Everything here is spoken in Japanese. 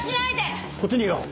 こっちにいよう。